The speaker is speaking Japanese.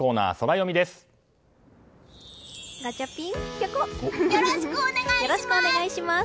よろしくお願いします！